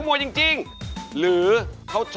โชว์ที่สุดท้าย